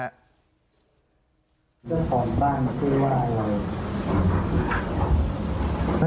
เจ้าของบ้านพี่ว่าอะไร